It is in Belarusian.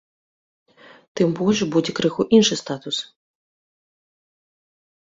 Тым больш, будзе крыху іншы статус.